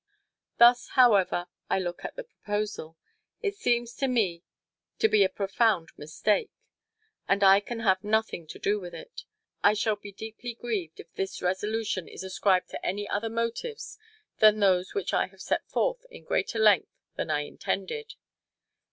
Thus, however I look at the proposal, it seems to me to be a profound mistake, and I can have nothing to do with it. I shall be deeply grieved if this resolution is ascribed to any other motives than those which I have set forth at greater length than I intended.